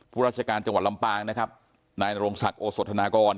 ราชการจังหวัดลำปางนะครับนายนโรงศักดิ์โอโสธนากร